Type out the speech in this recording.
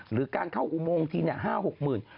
หรือการเข้าอุโมงที๕๖๐๐๐๐บาท